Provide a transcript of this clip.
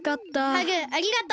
ハグありがとう。